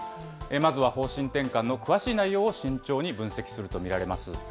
まずは方針転換の詳しい内容を慎重に分析すると見られます。